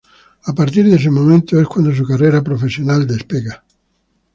A partir de este momento es cuando su carrera profesional despega.